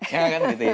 ya kan gitu ya